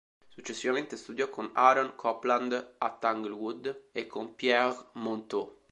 Successivamente studiò con Aaron Copland a Tanglewood e con Pierre Monteux.